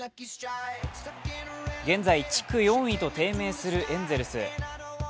現在、地区４位と低迷するエンゼルス。